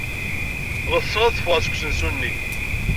Ɣetseɣ ad ffɣeɣ seg usensu-nni.